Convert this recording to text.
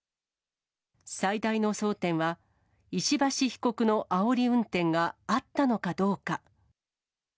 最大の争点は、石橋被告のあおり運転があったのかどうか。